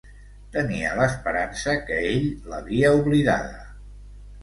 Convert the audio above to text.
Tenia l'esperança que ell l'havia oblidada.